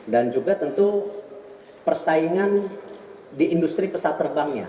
dan juga tentu persaingan di industri pesat terbangnya